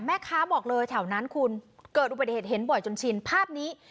แม่คะบอกแบบเฉาะนั้นคุณเกิดอุปโภยเห็นบ่อยจนชินภาพนี้